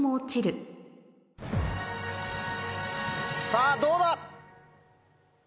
さぁどうだ